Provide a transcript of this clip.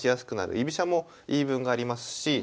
居飛車も言い分がありますし。